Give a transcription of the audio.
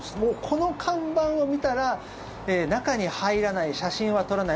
この看板を見たら中に入らない、写真は撮らない